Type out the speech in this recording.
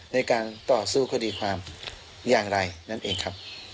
ในการต่อสู้คดีความอย่างไรนั่นเองครับ